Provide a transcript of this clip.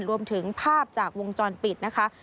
รวมถึงภาพจากวงจรปิดนะคะ